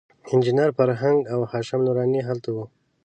انجینر فرهنګ او هاشم نوراني هلته وو.